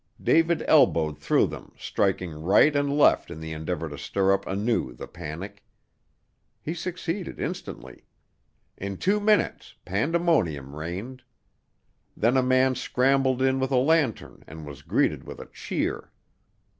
David elbowed through them, striking right and left in the endeavor to stir up anew the panic. He succeeded instantly. In two minutes pandemonium reigned. Then a man scrambled in with a lantern and was greeted with a cheer.